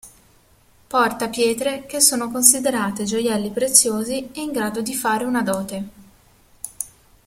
Porta pietre che sono considerate gioielli preziosi e in grado di fare una dote.